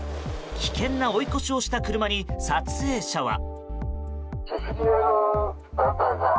危険な追い越しをした車に撮影者は。